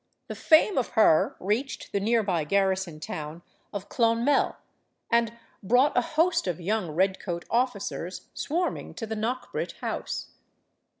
The fame of her reached the near by garrison town of Clonmel, and brought a host of young redcoat officers swarming to the Knockbrit house.